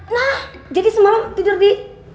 nah jadi semalam tidur di